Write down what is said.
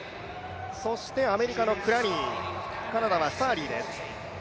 そしてアメリカのクラニーカナダはスターリーです。